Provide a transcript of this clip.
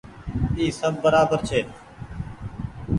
اي سب برابر ڇي۔